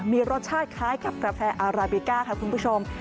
มีรสชาติคล้ายกับกาแฟอาราบิก้าค่ะคุณผู้ชม